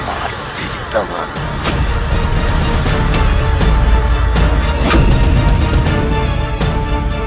aku tidak mungkin mengalahkannya